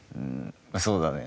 そうだね。